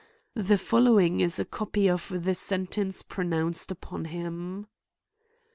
The following is a copy of the sentence pronounced upon him.